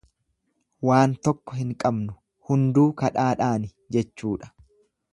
Waan tokko hin qabnu hunduu kadhaadhaani jechuudha.